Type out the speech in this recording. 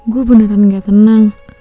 gue beneran gak tenang